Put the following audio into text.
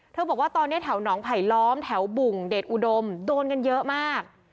บอกว่าตอนนี้แถวหนองไผลล้อมแถวบุ่งเดชอุดมโดนกันเยอะมาก